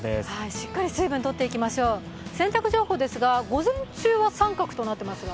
しっかり水分取っていきましょう、洗濯情報ですが午前中は△となっていますが。